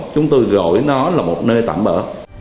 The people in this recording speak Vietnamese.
chúng tôi gọi nó là một nơi tạm bỡ